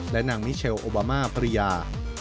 และนางมิเชลโอบามาภรรยา